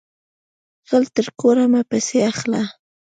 غل تر کوره مه پسی اخله